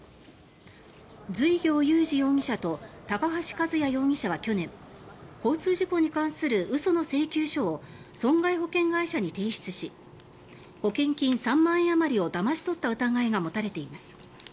随行勇治容疑者と高橋和也容疑者は去年交通事故に関する嘘の請求書を損害保険会社に提出し保険金３万円あまりをだまし取った疑いが持たれています。